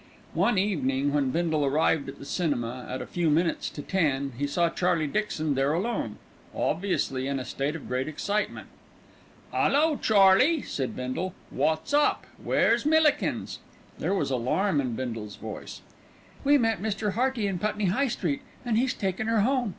One evening when Bindle arrived at the cinema at a few minutes to ten, he saw Charlie Dixon there alone, obviously in a state of great excitement. "'Ullo, Charlie!" said Bindle, "wot's up? Where's Millikins?" There was alarm in Bindle's voice. "We met Mr. Hearty in Putney High Street and he's taken her home.